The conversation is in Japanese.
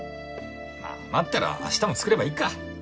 まあ余ったら明日も作ればいいか。